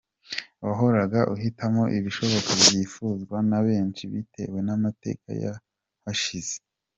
Wahoraga uhitamo ibishoboka byifuzwa na benshi bitewe n’amateka y’ahashize.